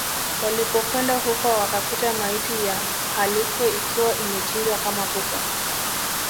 Walipokwenda huko wakakuta maiti ya Mhalwike ikiwa imechinjwa kama kuku